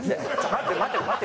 待て待て待て！